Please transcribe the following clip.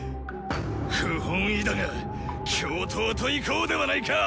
不本意だが共闘といこうではないか。